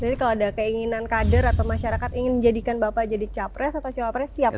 jadi kalau ada keinginan kader atau masyarakat ingin menjadikan bapak jadi capres atau coba pres siapa